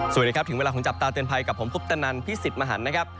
สวัสดีครับถึงเวลาของจับตาเตือนภัยกับผมคุปตนันพี่สิทธิ์มหันนะครับ